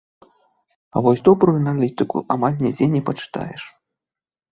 А вось добрую аналітыку амаль нідзе не пачытаеш.